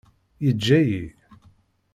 Yeǧǧa-yi.